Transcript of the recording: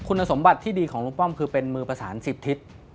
คุณสมบัติที่ดีของลุงป้อมคือเป็นมือประสาน๑๐ทิศ